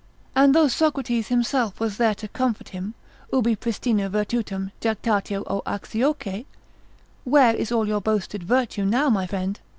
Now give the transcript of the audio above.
And though Socrates himself was there to comfort him, ubi pristina virtutum jactatio O Axioche? where is all your boasted virtue now, my friend?